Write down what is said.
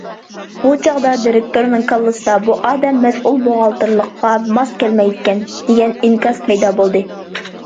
بۇ چاغدا دىرېكتورنىڭ كاللىسىدا‹‹ بۇ ئادەم مەسئۇل بوغالتىرلىققا ماس كەلمەيدىكەن›› دېگەن ئىنكاس پەيدا بولدى.